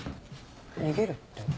逃げるって？